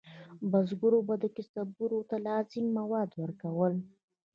بزګرو به کسبګرو ته لازم مواد ورکول.